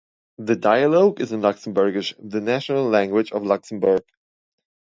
The dialogue is in Luxembourgish, the national language of Luxembour.